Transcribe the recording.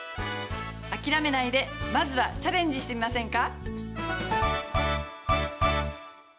諦めないでまずはチャレンジしてみませんか。